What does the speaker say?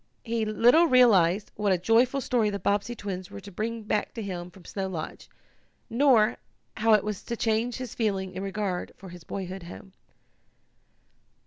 He little realized what a joyful story the Bobbsey twins were to bring back to him from Snow Lodge, nor how it was to change his feeling in regard for his boyhood home.